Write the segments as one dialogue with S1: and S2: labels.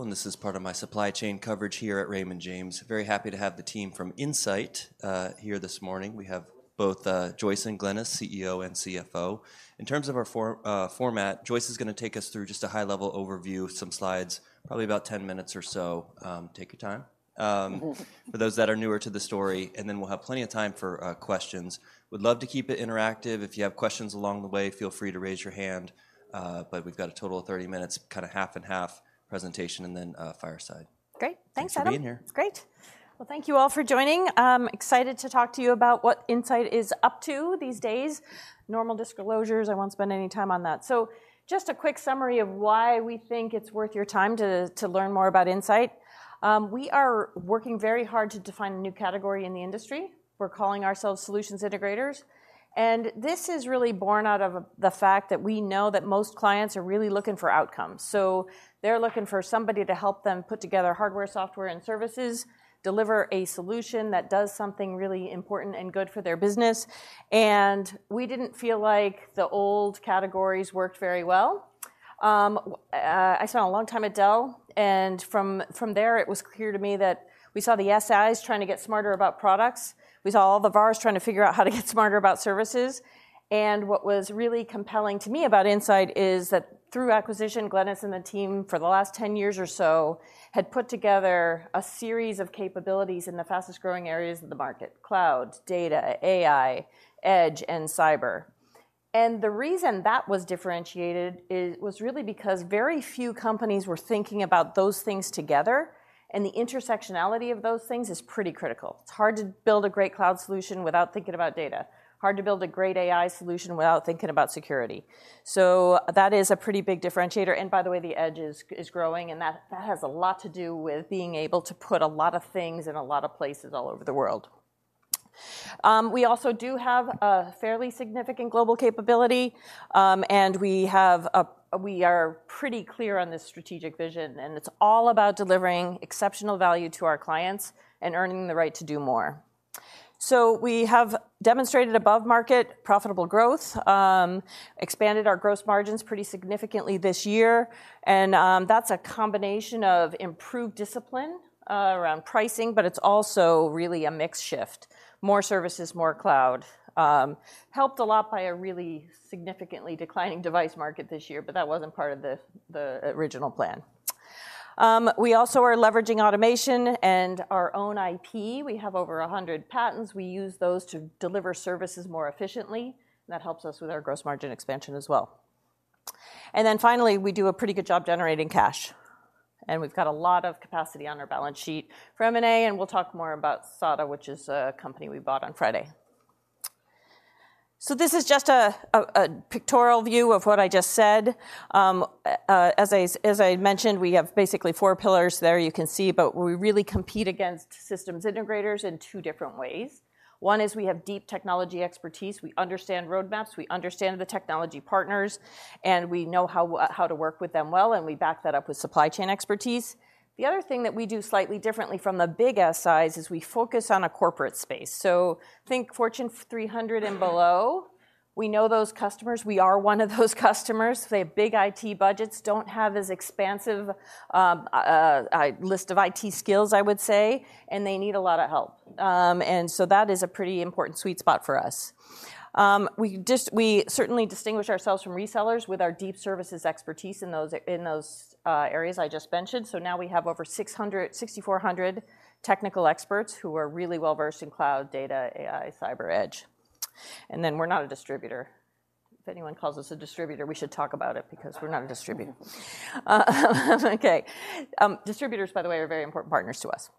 S1: And this is part of my supply chain coverage here at Raymond James. Very happy to have the team from Insight here this morning. We have both Joyce and Glynis, CEO and CFO. In terms of our format, Joyce is gonna take us through just a high level overview, some slides, probably about 10 minutes or so. Take your time. For those that are newer to the story, and then we'll have plenty of time for questions. Would love to keep it interactive. If you have questions along the way, feel free to raise your hand, but we've got a total of 30 minutes, kinda half and half presentation, and then fireside.
S2: Great. Thanks, Adam.
S1: Thanks for being here.
S2: Great! Well, thank you all for joining. I'm excited to talk to you about what Insight is up to these days. Normal disclosures, I won't spend any time on that. So just a quick summary of why we think it's worth your time to learn more about Insight. We are working very hard to define a new category in the industry. We're calling ourselves solutions integrators, and this is really born out of the fact that we know that most clients are really looking for outcomes. So they're looking for somebody to help them put together hardware, software, and services, deliver a solution that does something really important and good for their business, and we didn't feel like the old categories worked very well. I spent a long time at Dell, and from there, it was clear to me that we saw the SIs trying to get smarter about products. We saw all the VARs trying to figure out how to get smarter about services, and what was really compelling to me about Insight is that through acquisition, Glynis and the team, for the last 10 years or so, had put together a series of capabilities in the fastest growing areas of the market: cloud, data, AI, edge, and cyber. The reason that was differentiated was really because very few companies were thinking about those things together, and the intersectionality of those things is pretty critical. It's hard to build a great cloud solution without thinking about data. Hard to build a great AI solution without thinking about security. So that is a pretty big differentiator, and by the way, the edge is growing, and that has a lot to do with being able to put a lot of things in a lot of places all over the world. We also do have a fairly significant global capability, and we are pretty clear on this strategic vision, and it's all about delivering exceptional value to our clients and earning the right to do more. So we have demonstrated above-market, profitable growth, expanded our gross margins pretty significantly this year, and that's a combination of improved discipline around pricing, but it's also really a mix shift. More services, more cloud. Helped a lot by a really significantly declining device market this year, but that wasn't part of the original plan. We also are leveraging automation and our own IP. We have over 100 patents. We use those to deliver services more efficiently, and that helps us with our gross margin expansion as well. Then finally, we do a pretty good job generating cash, and we've got a lot of capacity on our balance sheet for M&A, and we'll talk more about SADA, which is a company we bought on Friday. So this is just a pictorial view of what I just said. As I mentioned, we have basically four pillars there, you can see, but we really compete against systems integrators in two different ways. One is we have deep technology expertise. We understand roadmaps, we understand the technology partners, and we know how to work with them well, and we back that up with supply chain expertise. The other thing that we do slightly differently from the big SIs is we focus on a corporate space. So think Fortune 300 and below, we know those customers. We are one of those customers. They have big IT budgets, don't have as expansive list of IT skills, I would say, and they need a lot of help. And so that is a pretty important sweet spot for us. We just, we certainly distinguish ourselves from resellers with our deep services expertise in those areas I just mentioned. So now we have over 6,400 technical experts who are really well-versed in cloud, data, AI, cyber, edge. And then we're not a distributor. If anyone calls us a distributor, we should talk about it, because we're not a distributor. Okay, distributors, by the way, are very important partners to us.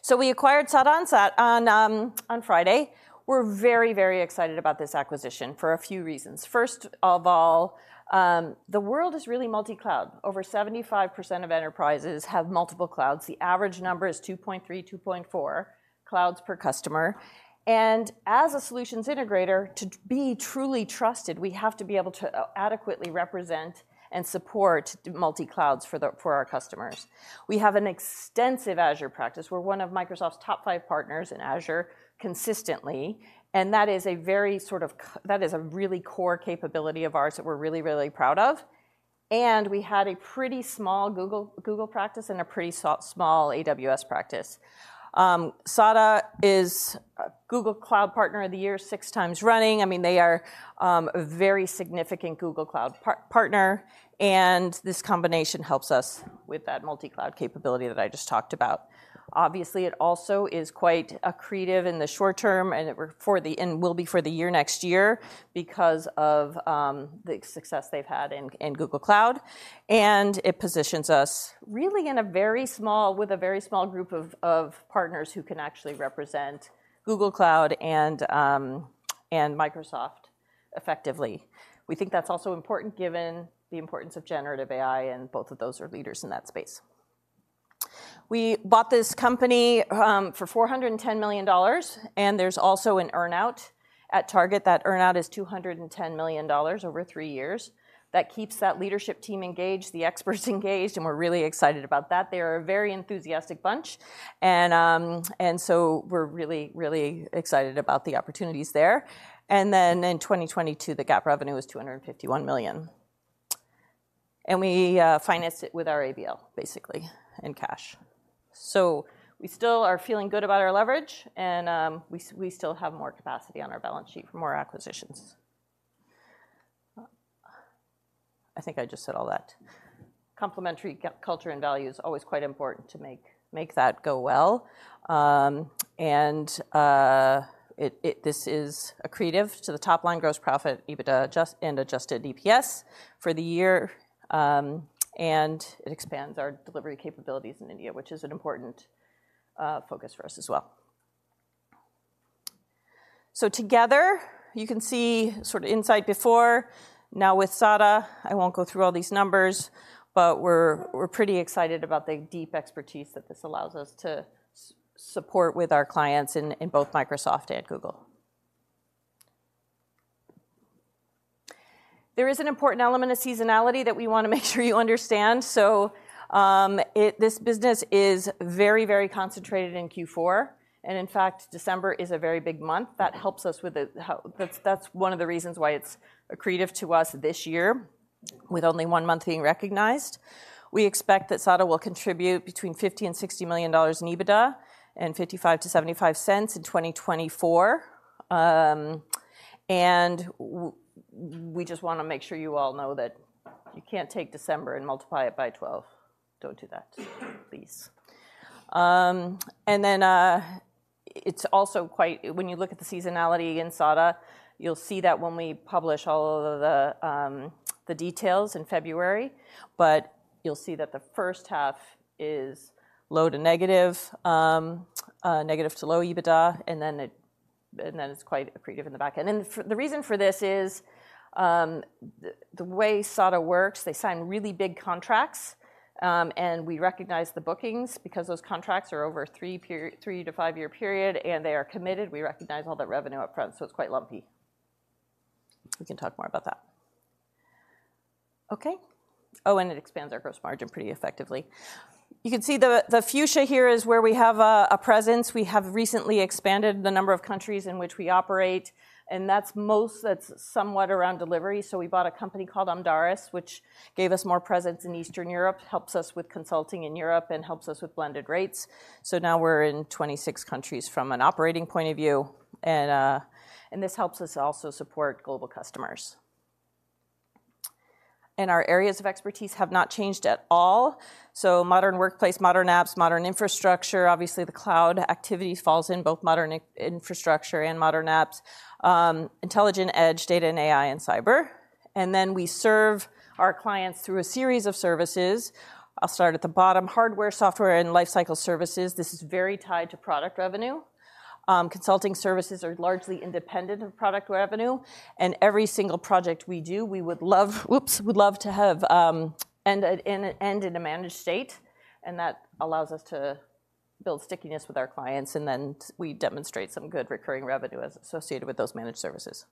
S2: So we acquired SADA on Friday. We're very, very excited about this acquisition for a few reasons. First of all, the world is really multi-cloud. Over 75% of enterprises have multiple clouds. The average number is 2.3, 2.4 clouds per customer. And as a solutions integrator, to be truly trusted, we have to be able to adequately represent and support multi-clouds for the, for our customers. We have an extensive Azure practice. We're one of Microsoft's top five partners in Azure consistently, and that is a really core capability of ours that we're really, really proud of. And we had a pretty small Google practice and a pretty small AWS practice. SADA is a Google Cloud Partner of the Year, six times running. I mean, they are a very significant Google Cloud partner, and this combination helps us with that multi-cloud capability that I just talked about. Obviously, it also is quite accretive in the short term, and it will be for the year next year, because of the success they've had in Google Cloud, and it positions us really with a very small group of partners who can actually represent Google Cloud and Microsoft effectively. We think that's also important, given the importance of generative AI, and both of those are leaders in that space. We bought this company for $410 million, and there's also an earn-out at target. That earn-out is $210 million over 3 years. That keeps that leadership team engaged, the experts engaged, and we're really excited about that. They are a very enthusiastic bunch, and so we're really, really excited about the opportunities there. And then in 2022, the GAAP revenue was $251 million and we finance it with our ABL, basically, and cash. So we still are feeling good about our leverage, and we still have more capacity on our balance sheet for more acquisitions. I think I just said all that. Complementary culture and values, always quite important to make that go well. This is accretive to the top line gross profit, EBITDA adjusted, and adjusted EPS for the year. And it expands our delivery capabilities in India, which is an important focus for us as well. So together, you can see sort of Insight before. Now with SADA, I won't go through all these numbers, but we're, we're pretty excited about the deep expertise that this allows us to support with our clients in both Microsoft and Google. There is an important element of seasonality that we wanna make sure you understand. So, this business is very, very concentrated in Q4, and in fact, December is a very big month. That helps us with. That's one of the reasons why it's accretive to us this year, with only one month being recognized. We expect that SADA will contribute between $50-$60 million in EBITDA and $0.55-$0.75 in 2024. We just wanna make sure you all know that you can't take December and multiply it by 12. Don't do that, please. It's also quite... When you look at the seasonality in SADA, you'll see that when we publish all of the details in February, but you'll see that the first half is low to negative, negative to low EBITDA, and then it's quite accretive in the back end. The reason for this is, the way SADA works, they sign really big contracts, and we recognize the bookings. Because those contracts are over a 3- to 5-year period, and they are committed, we recognize all that revenue up front, so it's quite lumpy. We can talk more about that. Okay? Oh, and it expands our gross margin pretty effectively. You can see the fuchsia here is where we have a presence. We have recently expanded the number of countries in which we operate, and that's somewhat around delivery. So we bought a company called Amdaris, which gave us more presence in Eastern Europe, helps us with consulting in Europe, and helps us with blended rates. So now we're in 26 countries from an operating point of view, and this helps us also support global customers. And our areas of expertise have not changed at all. So modern workplace, modern apps, modern infrastructure, obviously, the cloud activity falls in both modern infrastructure and modern apps, intelligent edge, data and AI, and cyber. And then we serve our clients through a series of services. I'll start at the bottom. Hardware, software, and lifecycle services, this is very tied to product revenue. Consulting services are largely independent of product revenue, and every single project we do, we would love to have end it in a managed state, and that allows us to build stickiness with our clients, and then we demonstrate some good recurring revenue as associated with those managed services.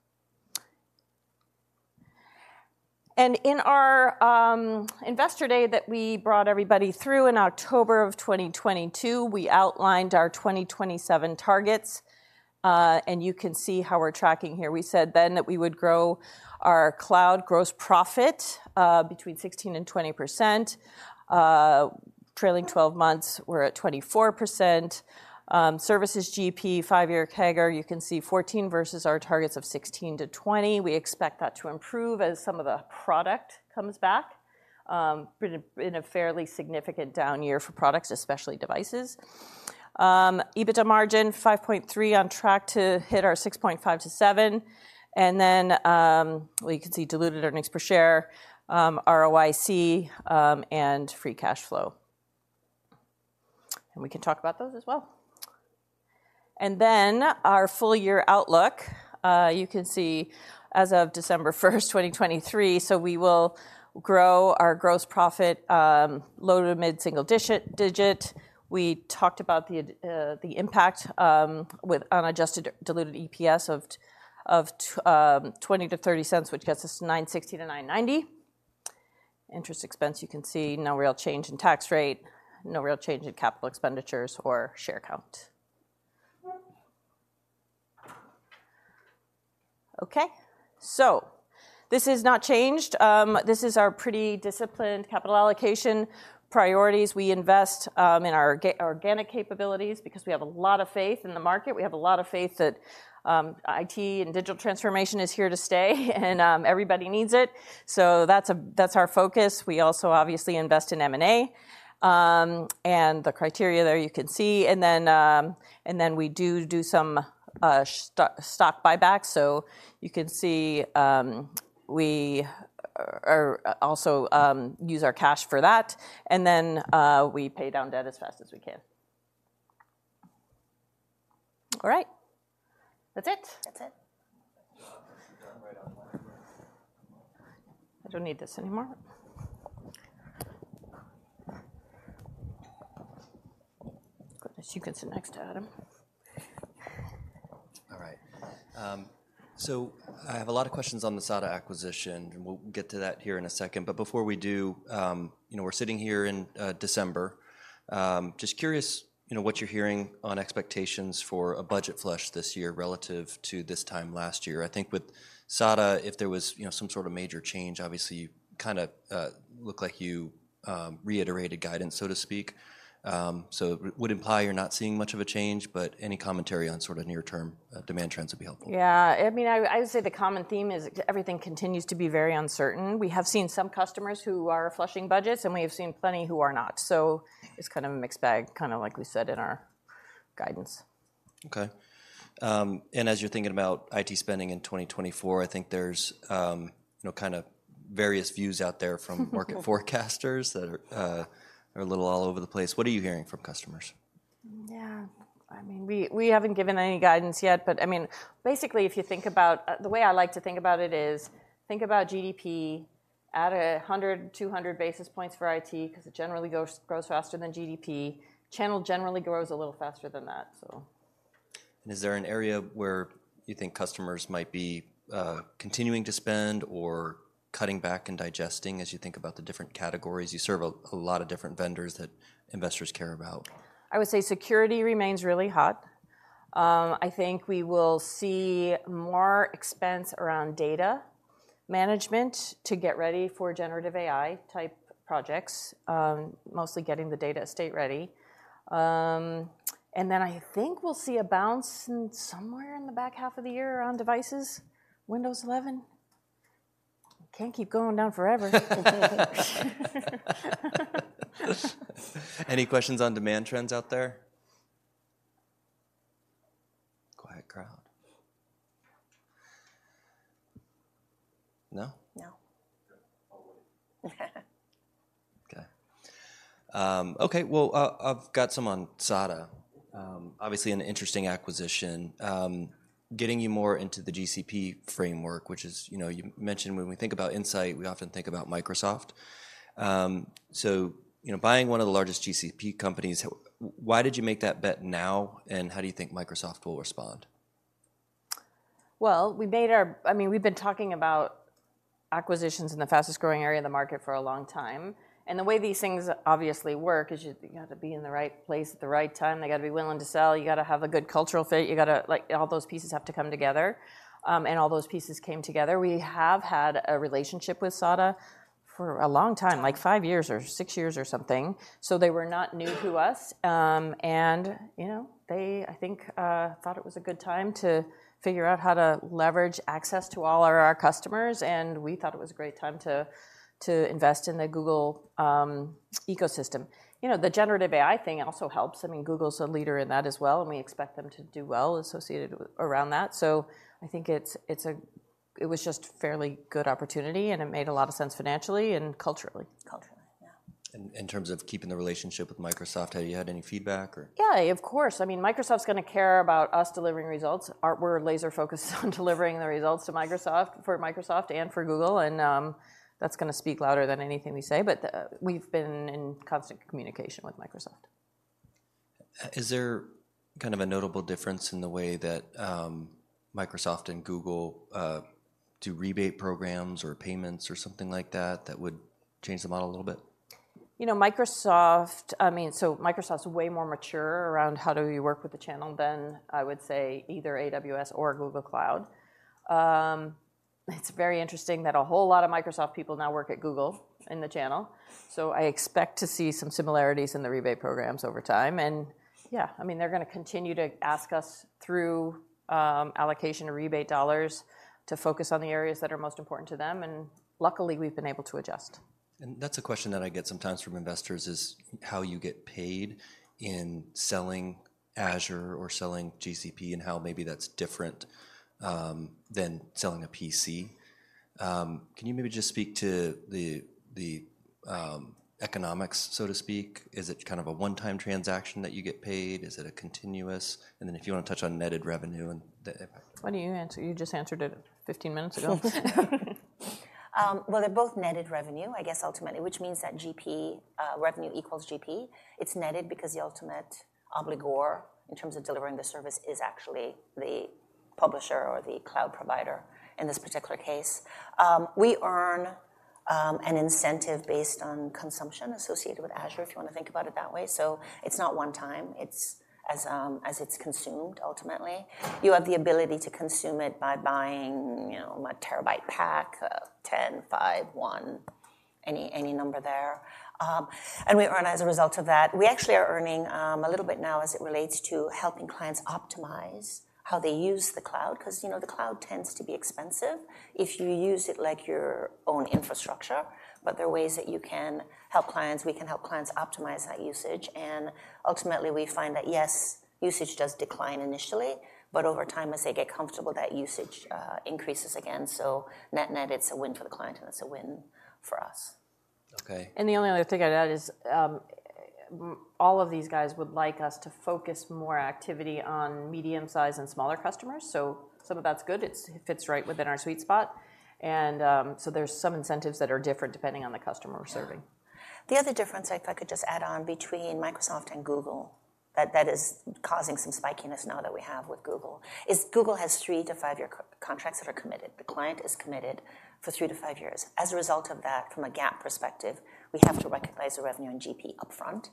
S2: And in our investor day that we brought everybody through in October of 2022, we outlined our 2027 targets, and you can see how we're tracking here. We said then that we would grow our cloud gross profit between 16%-20%. Trailing twelve months, we're at 24%. Services GP, five-year CAGR, you can see 14 versus our targets of 16%-20. We expect that to improve as some of the product comes back, in a fairly significant down year for products, especially devices. EBITDA margin 5.3% on track to hit our 6.5%-7%, and then, well, you can see diluted earnings per share, ROIC, and free cash flow. And we can talk about those as well. And then our full year outlook, you can see as of December 1, 2023, so we will grow our gross profit, low- to mid-single-digit. We talked about the impact, with unadjusted diluted EPS of $0.20-$0.30, which gets us to $9.60-$9.90. Interest expense, you can see no real change in tax rate, no real change in capital expenditures or share count. Okay, so this has not changed. This is our pretty disciplined capital allocation priorities. We invest in our organic capabilities because we have a lot of faith in the market. We have a lot of faith that IT and digital transformation is here to stay, and everybody needs it. So that's our focus. We also obviously invest in M&A, and the criteria there you can see. And then we do some stock buybacks. So you can see, we are also use our cash for that, and then we pay down debt as fast as we can. All right. That's it?
S3: That's it.
S2: I don't need this anymore. Glynis, you can sit next to Adam....
S1: So I have a lot of questions on the SADA acquisition, and we'll get to that here in a second. But before we do, you know, we're sitting here in December. Just curious, you know, what you're hearing on expectations for a budget flush this year relative to this time last year. I think with SADA, if there was, you know, some sort of major change, obviously, you kind of looked like you reiterated guidance, so to speak. So it would imply you're not seeing much of a change, but any commentary on sort of near-term demand trends would be helpful.
S2: Yeah, I mean, I would say the common theme is everything continues to be very uncertain. We have seen some customers who are flushing budgets, and we have seen plenty who are not. So it's kind of a mixed bag, kinda like we said in our guidance.
S1: Okay. And as you're thinking about IT spending in 2024, I think there's, you know, kind of various views out there from market forecasters that are a little all over the place. What are you hearing from customers?
S2: Yeah. I mean, we haven't given any guidance yet, but I mean, basically, the way I like to think about it is, think about GDP at 100-200 basis points for IT, 'cause it generally grows faster than GDP. Channel generally grows a little faster than that, so.
S1: Is there an area where you think customers might be continuing to spend or cutting back and digesting as you think about the different categories? You serve a lot of different vendors that investors care about.
S2: I would say security remains really hot. I think we will see more expense around data management to get ready for generative AI-type projects, mostly getting the data estate ready. And then I think we'll see a bounce in somewhere in the back half of the year on devices. Windows 11 can't keep going down forever.
S1: Any questions on demand trends out there? Quiet crowd. No?
S4: No.
S1: Okay, all the way. Okay. Okay, well, I, I've got some on SADA. Obviously an interesting acquisition. Getting you more into the GCP framework, which is you know, you mentioned when we think about Insight, we often think about Microsoft. So, you know, buying one of the largest GCP companies, why did you make that bet now, and how do you think Microsoft will respond?
S2: Well, I mean, we've been talking about acquisitions in the fastest-growing area of the market for a long time, and the way these things obviously work is you have to be in the right place at the right time. They gotta be willing to sell. You gotta have a good cultural fit. You gotta—like, all those pieces have to come together, and all those pieces came together. We have had a relationship with SADA for a long time, like 5 years or 6 years or something. So they were not new to us, and, you know, they, I think, thought it was a good time to figure out how to leverage access to all of our customers, and we thought it was a great time to invest in the Google ecosystem. You know, the generative AI thing also helps. I mean, Google's a leader in that as well, and we expect them to do well associated around that. So I think it's a fairly good opportunity, and it made a lot of sense financially and culturally.
S4: Culturally, yeah.
S1: In terms of keeping the relationship with Microsoft, have you had any feedback or?
S2: Yeah, of course. I mean, Microsoft's gonna care about us delivering results. We're laser focused on delivering the results to Microsoft, for Microsoft and for Google, and that's gonna speak louder than anything we say, but we've been in constant communication with Microsoft.
S1: Is there kind of a notable difference in the way that Microsoft and Google do rebate programs or payments or something like that, that would change the model a little bit?
S2: You know, Microsoft, I mean, so Microsoft's way more mature around how do we work with the channel than, I would say, either AWS or Google Cloud. It's very interesting that a whole lot of Microsoft people now work at Google in the channel. So I expect to see some similarities in the rebate programs over time. And, yeah, I mean, they're gonna continue to ask us through allocation of rebate dollars to focus on the areas that are most important to them, and luckily, we've been able to adjust.
S1: That's a question that I get sometimes from investors, is how you get paid in selling Azure or selling GCP and how maybe that's different than selling a PC. Can you maybe just speak to the economics, so to speak? Is it kind of a one-time transaction that you get paid? Is it a continuous? And then if you wanna touch on netted revenue and the-
S2: Why don't you answer? You just answered it 15 minutes ago.
S4: Well, they're both netted revenue, I guess, ultimately, which means that GP revenue equals GP. It's netted because the ultimate obligor, in terms of delivering the service, is actually the publisher or the cloud provider in this particular case. We earn an incentive based on consumption associated with Azure, if you wanna think about it that way. So it's not one time, it's as it's consumed, ultimately. You have the ability to consume it by buying, you know, a terabyte pack of 10, 5, 1, any, any number there. And we earn as a result of that. We actually are earning a little bit now as it relates to helping clients optimize how they use the cloud, 'cause, you know, the cloud tends to be expensive if you use it like your own infrastructure, but there are ways that you can help clients, we can help clients optimize that usage. And ultimately, we find that, yes, usage does decline initially, but over time, as they get comfortable, that usage increases again. So net-net, it's a win for the client, and it's a win for us.
S1: Okay.
S2: The only other thing I'd add is, all of these guys would like us to focus more activity on medium-sized and smaller customers. So some of that's good. It fits right within our sweet spot, and, so there's some incentives that are different depending on the customer we're serving.
S4: Yeah. The other difference, if I could just add on, between Microsoft and Google—that, that is causing some spikiness now that we have with Google, is Google has 3-5-year co-contracts that are committed. The client is committed for 3-5 years. As a result of that, from a GAAP perspective, we have to recognize the revenue and GP upfront.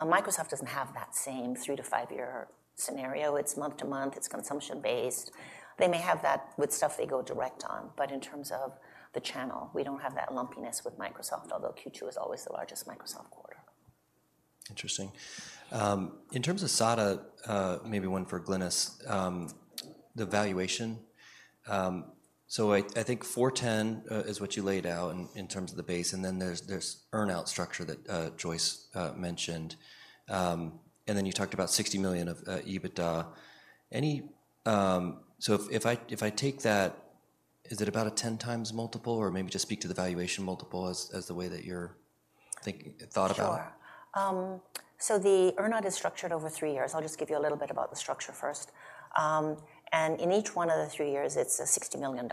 S4: Microsoft doesn't have that same 3-5-year scenario. It's month to month, it's consumption-based. They may have that with stuff they go direct on, but in terms of the channel, we don't have that lumpiness with Microsoft, although Q2 is always the largest Microsoft quarter.
S1: Interesting. In terms of SADA, maybe one for Glynis, the valuation. So I think 410 is what you laid out in terms of the base, and then there's earn-out structure that Joyce mentioned. And then you talked about $60 million of EBITDA. Any... So if I take that, is it about a 10x multiple, or maybe just speak to the valuation multiple as the way that you're thought about?
S4: Sure. So the earn-out is structured over three years. I'll just give you a little bit about the structure first. And in each one of the three years, it's a $60 million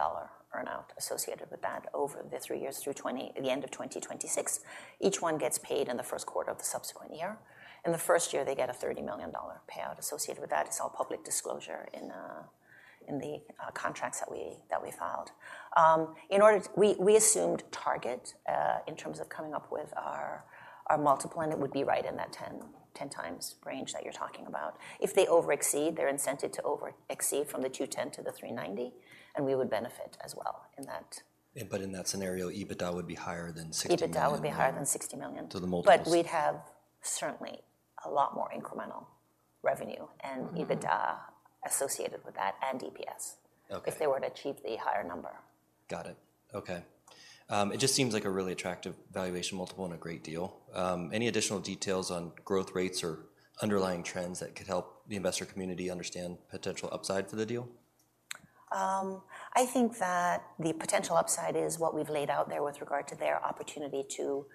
S4: earn-out associated with that over the three years, through the end of 2026. Each one gets paid in the first quarter of the subsequent year. In the first year, they get a $30 million payout associated with that. It's all public disclosure in the contracts that we filed. In order to, we assumed target in terms of coming up with our multiple, and it would be right in that 10x range that you're talking about. If they over exceed, they're incented to over exceed from the $210 to the $390, and we would benefit as well in that.
S1: But in that scenario, EBITDA would be higher than $60 million-
S4: EBITDA would be higher than $60 million.
S1: So the multiples-
S4: But we'd have certainly a lot more incremental revenue-
S1: Mm-hmm.
S4: and EBITDA associated with that, and EPS
S1: Okay.
S4: if they were to achieve the higher number.
S1: Got it. Okay. It just seems like a really attractive valuation multiple and a great deal. Any additional details on growth rates or underlying trends that could help the investor community understand potential upside for the deal?
S4: I think that the potential upside is what we've laid out there with regard to their opportunity to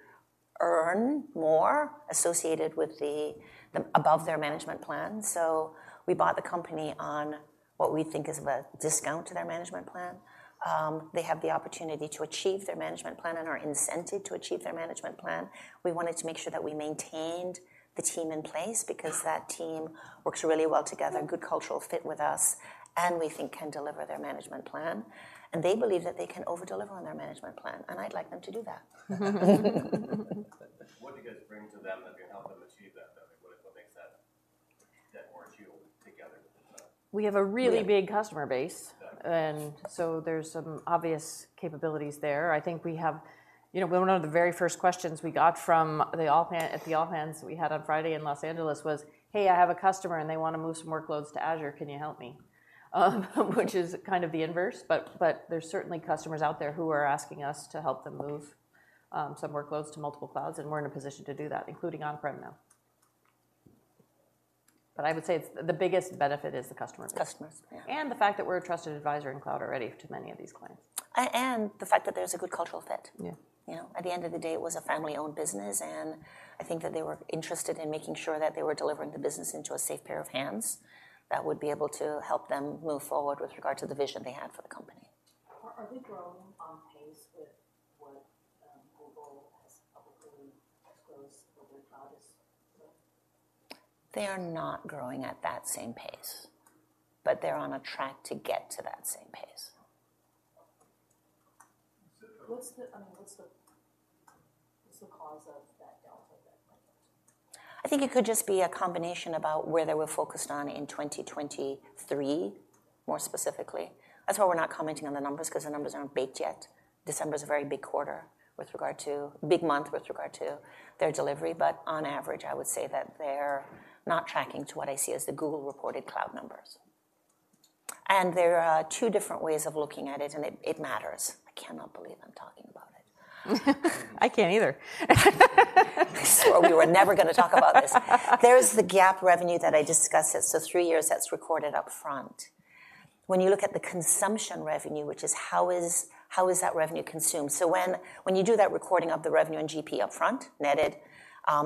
S4: earn more associated with the above their management plan. So we bought the company on what we think is a discount to their management plan. They have the opportunity to achieve their management plan and are incented to achieve their management plan. We wanted to make sure that we maintained the team in place because that team works really well together, good cultural fit with us, and we think can deliver their management plan. They believe that they can over deliver on their management plan, and I'd like them to do that.
S3: What do you guys bring to them that can help them achieve that, though? What, what makes that, that merge you together with them?
S2: We have a really big customer base-
S3: Got it.
S2: There's some obvious capabilities there. I think we have... You know, one of the very first questions we got from the all hands we had on Friday in Los Angeles was: "Hey, I have a customer, and they want to move some workloads to Azure. Can you help me?" which is kind of the inverse, but there's certainly customers out there who are asking us to help them move some workloads to multiple clouds, and we're in a position to do that, including on-prem now. But I would say it's the biggest benefit is the customer base.
S4: Customer base, yeah.
S2: And the fact that we're a trusted advisor in cloud already to many of these clients.
S4: and the fact that there's a good cultural fit.
S2: Yeah.
S4: You know, at the end of the day, it was a family-owned business, and I think that they were interested in making sure that they were delivering the business into a safe pair of hands that would be able to help them move forward with regard to the vision they had for the company.
S5: Are they growing on pace with what Google has publicly disclosed what their cloud is?
S4: They are not growing at that same pace, but they're on a track to get to that same pace.
S5: So, I mean, what's the cause of that delta that might have?
S4: I think it could just be a combination about where they were focused on in 2023, more specifically. That's why we're not commenting on the numbers, 'cause the numbers aren't baked yet. December is a very big quarter with regard to, big month, with regard to their delivery. But on average, I would say that they're not tracking to what I see as the Google-reported cloud numbers. And there are two different ways of looking at it, and it matters. I cannot believe I'm talking about it.
S2: I can't either.
S4: I swore we were never gonna talk about this. There's the GAAP revenue that I discussed, so three years, that's recorded upfront. When you look at the consumption revenue, which is how that revenue is consumed? So when you do that recording of the revenue and GP upfront, netted,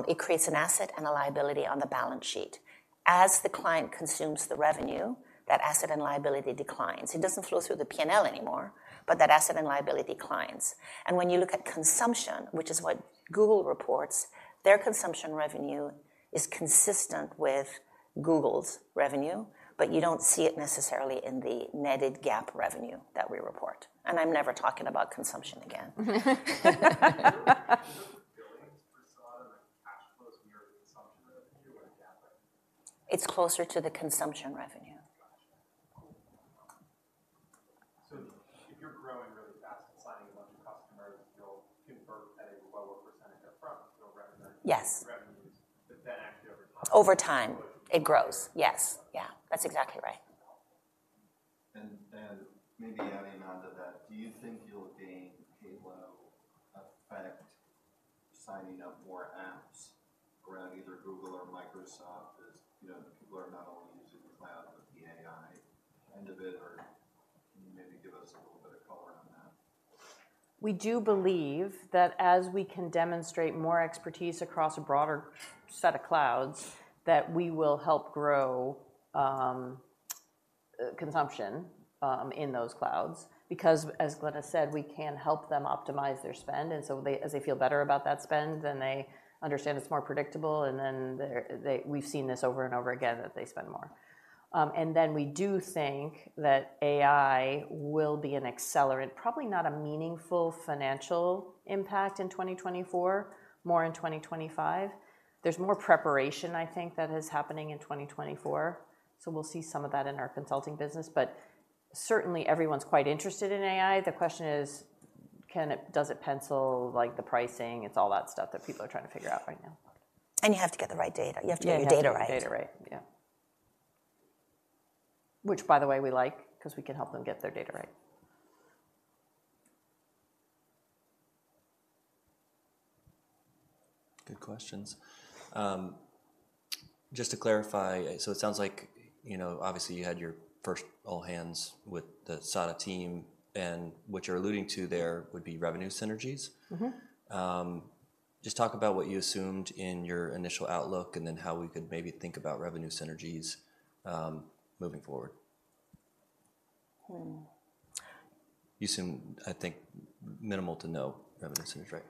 S4: it creates an asset and a liability on the balance sheet. As the client consumes the revenue, that asset and liability declines. It doesn't flow through the P&L anymore, but that asset and liability declines. And when you look at consumption, which is what Google reports, their consumption revenue is consistent with Google's revenue, but you don't see it necessarily in the netted GAAP revenue that we report. And I'm never talking about consumption again.
S3: Billings for SADA, like cash flows near the consumption revenue or the GAAP revenue?
S4: It's closer to the consumption revenue.
S3: Gotcha. Cool. So if you're growing really fast and signing a bunch of customers, you'll convert a lower percentage up front, you'll recognize-
S4: Yes...
S3: the revenues, but then actually over time-
S4: Over time, it grows. Yes. Yeah, that's exactly right.
S3: Maybe adding on to that, do you think you'll gain halo effect, signing up more apps around either Google or Microsoft, as you know, people are not only using the cloud, but the AI end of it, or can you maybe give us a little bit of color on that?
S2: We do believe that as we can demonstrate more expertise across a broader set of clouds, that we will help grow consumption in those clouds. Because as Glenn has said, we can help them optimize their spend, and so as they feel better about that spend, then they understand it's more predictable, and then they're, we've seen this over and over again, that they spend more. And then we do think that AI will be an accelerant, probably not a meaningful financial impact in 2024, more in 2025. There's more preparation, I think, that is happening in 2024, so we'll see some of that in our consulting business. But certainly, everyone's quite interested in AI. The question is, does it pencil, like, the pricing? It's all that stuff that people are trying to figure out right now.
S4: You have to get the right data.
S2: Yeah, you have to-
S4: You have to get your data right.
S2: Get the data right, yeah. Which, by the way, we like, 'cause we can help them get their data right.
S1: Good questions. Just to clarify, so it sounds like, you know, obviously, you had your first all hands with the SADA team, and what you're alluding to there would be revenue synergies?
S2: Mm-hmm.
S1: Just talk about what you assumed in your initial outlook, and then how we could maybe think about revenue synergies, moving forward.
S4: Hmm.
S1: You assumed, I think, minimal to no revenue synergies, right?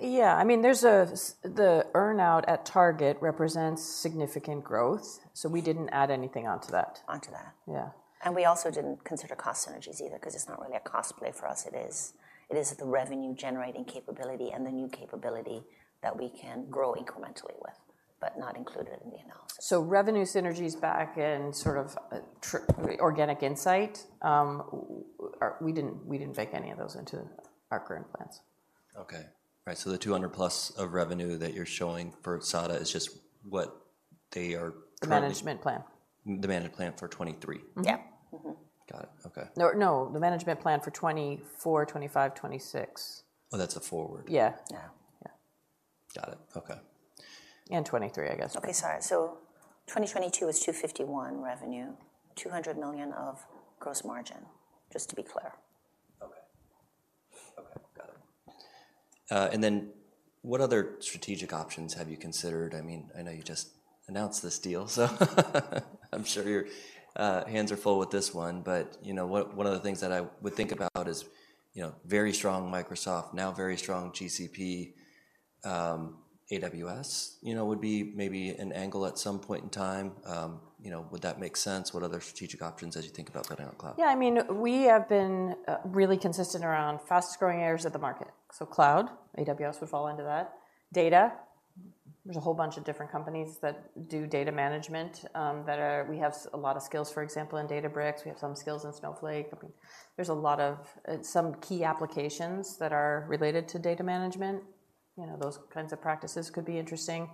S2: Yeah. I mean, there's the earn out at Target represents significant growth, so we didn't add anything onto that.
S4: Onto that.
S2: Yeah.
S4: We also didn't consider cost synergies either, 'cause it's not really a cost play for us. It is, it is the revenue-generating capability and the new capability that we can grow incrementally with, but not included in the analysis.
S2: So revenue synergies back and sort of organic Insight, we didn't, we didn't bake any of those into our current plans.
S1: Okay. Right, so the $200+ of revenue that you're showing for SADA is just what they are currently-
S2: The management plan.
S1: The management plan for 2023?
S2: Mm-hmm.
S4: Yeah.
S2: Mm-hmm.
S1: Got it. Okay.
S2: No, no, the management plan for 2024, 2025, 2026.
S1: Oh, that's a forward.
S2: Yeah.
S4: Yeah.
S2: Yeah.
S1: Got it. Okay.
S2: 2023, I guess.
S4: Okay, sorry. So 2022 is $251 million revenue, $200 million of gross margin, just to be clear.
S1: Okay. Okay, got it. And then what other strategic options have you considered? I mean, I know you just announced this deal, so I'm sure your hands are full with this one. But, you know, one of the things that I would think about is, you know, very strong Microsoft, now very strong GCP, AWS, you know, would be maybe an angle at some point in time. You know, would that make sense? What other strategic options as you think about putting on cloud?
S2: Yeah, I mean, we have been really consistent around fast-growing areas of the market. So cloud, AWS, would fall into that. Data, there's a whole bunch of different companies that do data management that are. We have a lot of skills, for example, in Databricks, we have some skills in Snowflake. There's a lot of some key applications that are related to data management. You know, those kinds of practices could be interesting.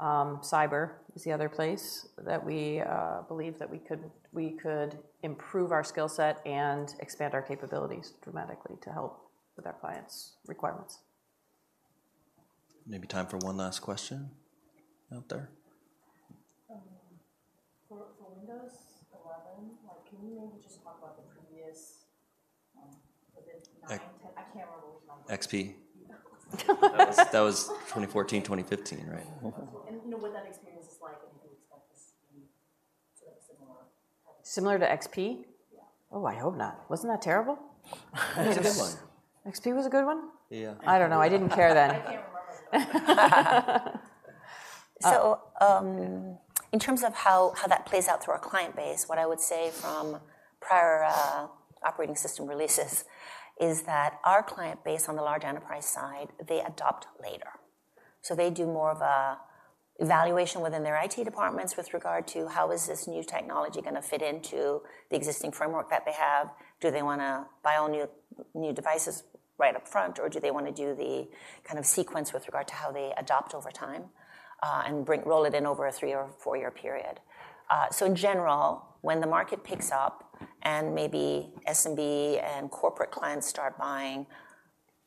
S2: Cyber is the other place that we believe that we could, we could improve our skill set and expand our capabilities dramatically to help with our clients' requirements.
S1: Maybe time for one last question out there.
S6: For Windows 11, like, can you maybe just talk about the previous, was it nine, ten? I can't remember which number.
S1: XP.
S6: Yeah.
S1: That was, that was 2014, 2015, right? Mm-hmm.
S6: You know, what that experience is like, and you would expect this to be sort of similar.
S2: Similar to XP?
S6: Yeah.
S2: Oh, I hope not. Wasn't that terrible?
S1: It was a good one.
S2: XP was a good one?
S1: Yeah.
S2: I don't know. I didn't care then.
S6: I can't remember though.
S4: So, in terms of how that plays out through our client base, what I would say from prior operating system releases is that our client base on the large enterprise side, they adopt later. So they do more of a evaluation within their IT departments with regard to how is this new technology gonna fit into the existing framework that they have? Do they wanna buy all new devices right up front, or do they wanna do the kind of sequence with regard to how they adopt over time, and roll it in over a 3- or 4-year period? So, in general, when the market picks up and maybe SMB and corporate clients start buying,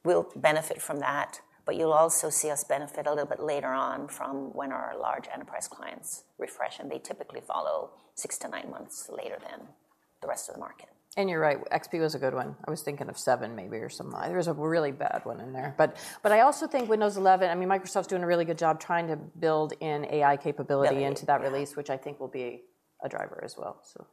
S4: we'll benefit from that, but you'll also see us benefit a little bit later on from when our large enterprise clients refresh, and they typically follow 6-9 months later than the rest of the market.
S2: You're right, XP was a good one. I was thinking of seven maybe or some nine. There was a really bad one in there. But I also think Windows 11, I mean, Microsoft's doing a really good job trying to build in AI capability-
S4: Yeah...
S2: into that release, which I think will be a driver as well, so.